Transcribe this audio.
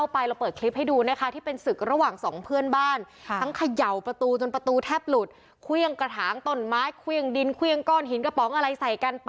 ไปดูคลิปก่อนแล้วกันเขามีการประทะกัน